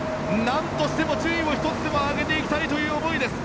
何としても順位を１つでも上げていきたいという思いです。